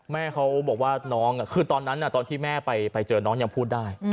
แม่เขาบอกว่าน้องคือตอนนั้นตอนที่แม่ไปเจอน้องยังพูดได้